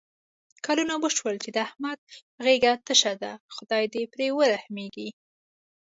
کلونه وشول چې د احمد غېږه تشه ده. خدای دې پرې ورحمېږي.